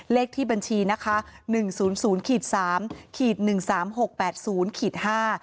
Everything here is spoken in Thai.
เลขที่บัญชีนะคะ๑๐๐๓๑๓๖๘๐๕